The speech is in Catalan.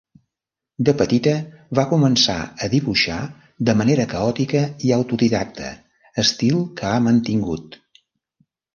De petita va començar a dibuixar de manera caòtica i autodidacta, estil que ha mantingut.